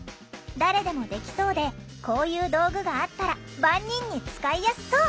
誰でもできそうでこういう道具があったら万人に使いやすそう！」。